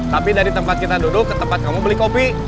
tapi dari tempat kita duduk ke tempat kamu beli kopi